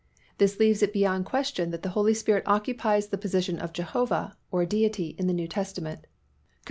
This leaves it beyond question that the Holy Spirit occupies the position of Jehovah (or Deity) in the New Testament (cf.